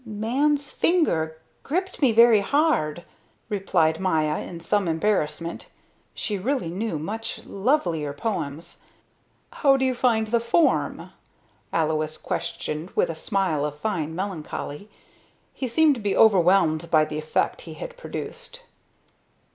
"Man's Finger gripped me very hard," replied Maya in some embarrassment. She really knew much lovelier poems. "How do you find the form?" Alois questioned with a smile of fine melancholy. He seemed to be overwhelmed by the effect he had produced.